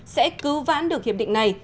sẽ cứu vãn được hiệp định này